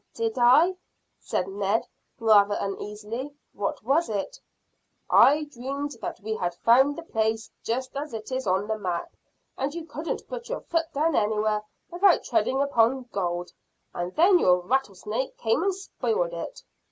"Did I?" said Ned, rather uneasily. "What was it?" "I dreamed that we had found the place just as it is on the map, and you couldn't put your foot down anywhere without treading upon gold; and then your rattlesnake came and spoiled it.